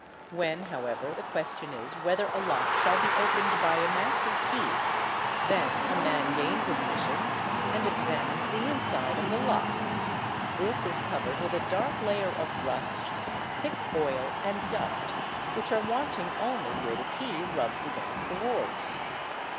When, however, the question is whether a lock shall be opened by a master key, then a man gains admission and examines the inside of the lock. This is covered with a dark layer of rust, thick oil, and dust, which are wanting only where the key rubs against the wards.